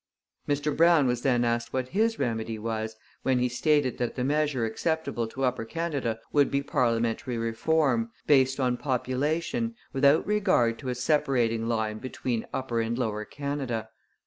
Mr Brown was then asked what his remedy was, when he stated that the measure acceptable to Upper Canada would be Parliamentary Reform, based on population, without regard to a separating line between Upper and Lower Canada.